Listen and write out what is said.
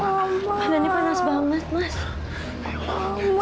badannya panas banget mas